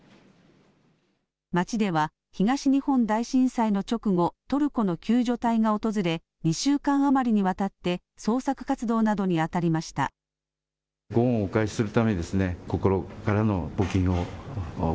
町では東日本大震災の直後、トルコの救助隊が訪れ２週間余りにわたって捜索活動などにあたりました。